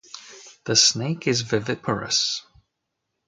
The snake is viviparous.